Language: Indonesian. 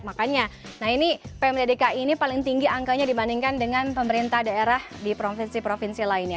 makanya nah ini pmd dki ini paling tinggi angkanya dibandingkan dengan pemerintah daerah di provinsi provinsi lainnya